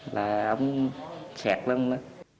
là ống xẹt luôn đó